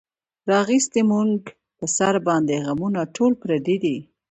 راغیستې مونږ پۀ سر باندې غمونه ټول پردي دي